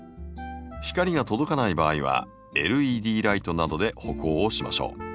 光が届かない場合はＬＥＤライトなどで補光をしましょう。